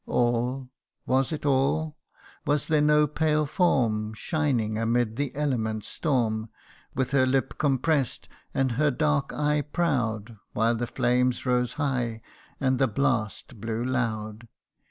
AH was it all ? Was there no pale form, Shining amid the element's storm, With her lip compress'd, and her dark eye proud, While the flames rose high, and the blast blew loud